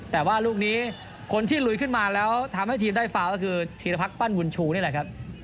แต่ว่าลูกนี้คนที่ลุยขึ้นมาแล้วทำให้ทีมได้ฟาวก็คือธีรพรรคปั้นบุญชูนี่แหละครับ